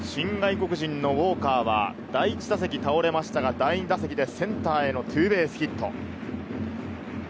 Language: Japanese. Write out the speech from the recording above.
新外国人のウォーカーは第１打席は倒れましたが、第２打席でセンターへのツーベースヒット。